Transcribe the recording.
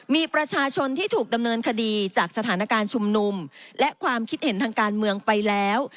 มีประชาชนที่ถูกดำเนินคดีจากสถานการณ์ชุมนุมและความคิดเห็นทางการเมืองไปแล้ว